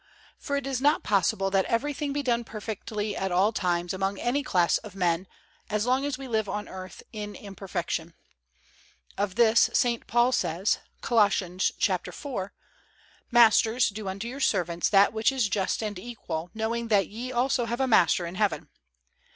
For it is not possible that everything be done perfectly at all times among any class of men, as long as we live on earth in imperfection. Of this St. Paul says, Colossians iv, "Masters, do unto your servants that which is just and equal, knowing that ye also have a Master in heaven."